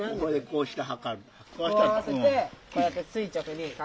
こう合わせてこうやって垂直に。